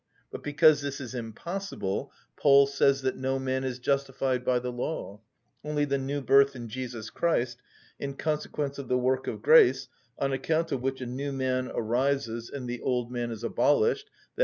But because this is impossible, Paul says that no man is justified by the law; only the new birth in Jesus Christ, in consequence of the work of grace, on account of which a new man arises and the old man is abolished (_i.